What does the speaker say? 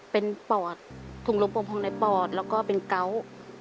เป็นปอดถุงลมปมพองในปอดแล้วก็เป็นเกาะ